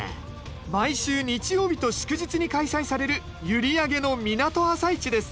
毎週日曜日と祝日に開催される閖上の港朝市です。